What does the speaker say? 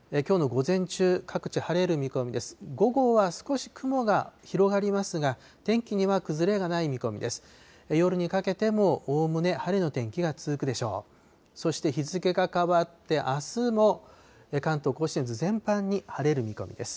午後は少し雲が広がりますが、天気には崩れがない見込みです。